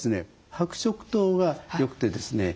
白色灯がよくてですね。